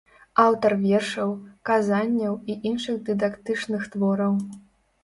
Аўтар вершаў, казанняў і іншых дыдактычных твораў.